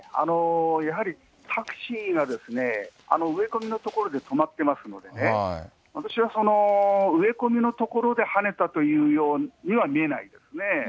やはり、タクシーがですね、植え込みの所で止まってますのでね、私は植え込みの所ではねたというようには見えないですね。